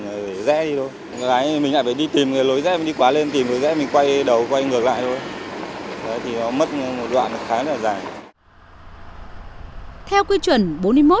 lái mình lại phải đi tìm lối rẽ mình đi quá lên tìm lối rẽ mình quay đầu quay ngược lại thôi